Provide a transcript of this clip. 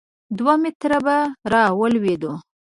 دوه متره به را ولوېدو.